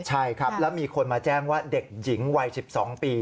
ใช่ครับแล้วมีคนมาแจ้งว่าเด็กหญิงวัย๑๒ปี